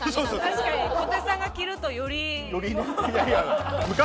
確かに小手さんが着るとより。